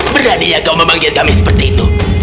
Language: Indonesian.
berani ya kau memanggil kami seperti itu